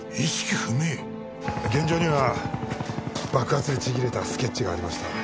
現場には爆発でちぎれたスケッチがありました。